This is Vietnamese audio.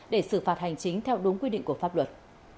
để xử phạt hành chính theo đúng quy định của pháp luật